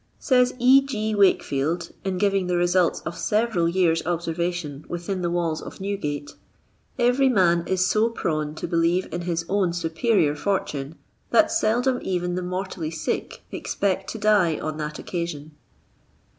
Says E. G. Wakefield, in giving the results of severaJ years' observation within the walls of Newgate, every man is so prone to believe in his own superior fortune, that seldom even the mortally sick expect to die on that occasion.